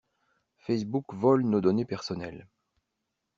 Facebook vole nos données personnelles.